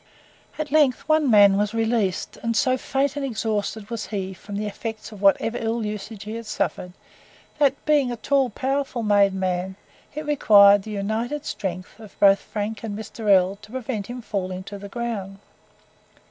At length one man was released, and so faint and exhausted was he, from the effects of whatever ill usage he had suffered, that, being a tall, powerfully made man, it required the united strength of both Frank and Mr. L to prevent his falling to the ground.